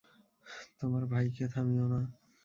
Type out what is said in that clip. তোমার ভাইকে থামিও না।